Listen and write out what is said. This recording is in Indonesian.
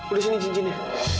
udah sini cincinnya